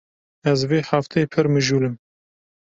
Ez vê hefteyê pir mijûl im.